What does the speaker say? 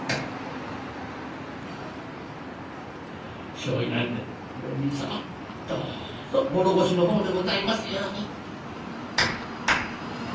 「小稲荷大明神様どうぞ唐土の方でございますように」。